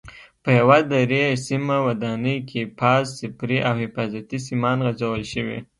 په یوه درې سیمه ودانۍ کې فاز، صفري او حفاظتي سیمان غځول شوي.